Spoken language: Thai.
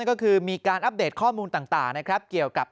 ก็คือมีการอัปเดตข้อมูลต่างนะครับเกี่ยวกับ